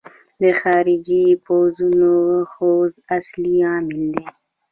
د خارجي پوځونو حضور اصلي عامل دی.